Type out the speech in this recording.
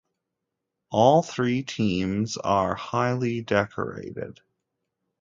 All three teams are highly decorated.